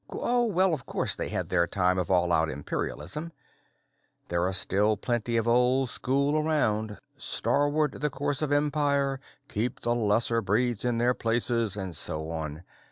"Oh, well, of course they had their time of all out imperialism. There are still plenty of the old school around, starward the course of empire, keep the lesser breeds in their place, and so on.